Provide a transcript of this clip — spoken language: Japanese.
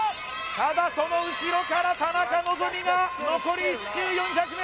ただその後ろから田中希実が残り１周４００ｍ